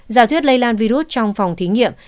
giả thuyết lây lan virus trong phòng thí nghiệm